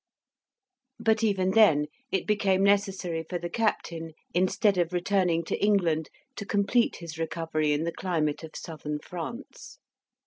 But even then it became necessary for the Captain, instead of returning to England, to complete his recovery in the climate of Southern France.